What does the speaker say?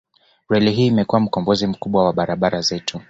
Reli hii imekuwa mkombozi mkubwa wa barabara zetu